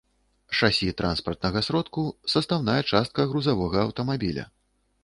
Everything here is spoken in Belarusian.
Шасі транспартнага сродку — састаўная частка грузавога аўтамабіля